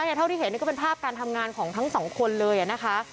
เท่าที่เห็นก็เป็นภาพการทำงานของทั้งสองคนเลยนะคะ